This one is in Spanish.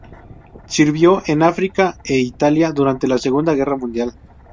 Sirvió en África e Italia durante la Segunda Guerra Mundial.